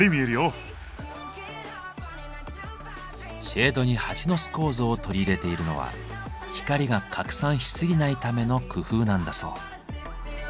シェードにハチの巣構造を取り入れているのは光が拡散しすぎないための工夫なんだそう。